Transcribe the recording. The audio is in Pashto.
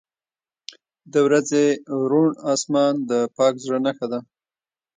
• د ورځې روڼ آسمان د پاک زړه نښه ده.